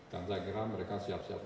dan saya kira mereka siap siap